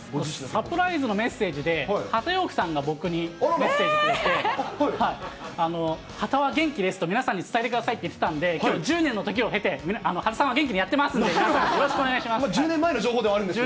サプライズのメッセージで、波田陽区さんが僕にメッセージくれて、波田は元気ですと、皆さんに伝えてくださいって言ってたんで、きょう、１０年の時を経て、波田さんは元気にやってますんで、よろしくお願いします。